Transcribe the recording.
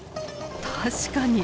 確かに！